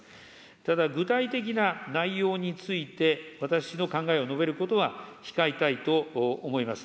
ただ、具体的な内容について、私の考えを述べることは控えたいと思います。